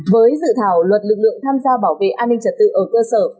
với dự thảo luật lực lượng tham gia bảo vệ an ninh trật tự ở cơ sở